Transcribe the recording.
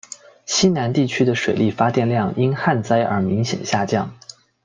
西南地区的水力发电量因旱灾而明显下降。